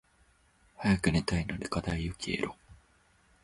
早く寝たいので課題よ消えろ。